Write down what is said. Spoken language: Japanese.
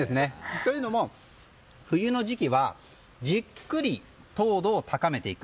というのも、冬の時期はじっくり糖度を高めていく。